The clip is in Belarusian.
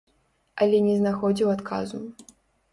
Але не знаходзіў адказу.